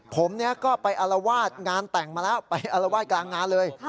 ผมก็ไปอารวาสงานแต่งมาแล้วไปอารวาสกลางงานเลย